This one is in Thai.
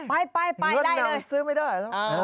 เงินหนังซื้อไม่ได้